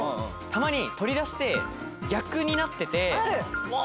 たまに取り出して逆になっててもう！